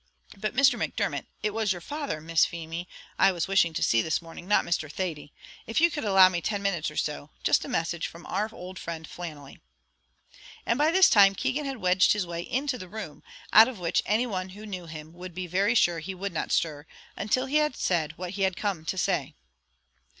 But, Mr. Macdermot it was your father, Miss Feemy, I was wishing to see this morning, not Mr. Thady if you could allow me ten minutes or so just a message from our old friend, Flannelly:" and by this time Keegan had wedged his way into the room, out of which any one who knew him would be very sure he would not stir, until he had said what he had come to say.